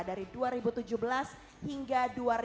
dari dua ribu tujuh belas hingga dua ribu dua puluh